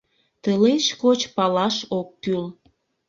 Тылеч коч палаш ок кӱл.